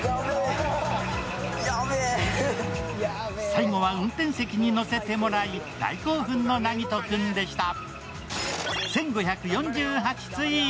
最後は運転席に乗せてもらい、大興奮のなぎと君でした。